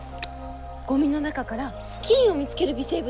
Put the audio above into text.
ゴミの中から金を見つける微生物もいます。